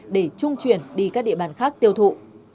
để trung chuyển đi các địa bàn khác tiêu thụ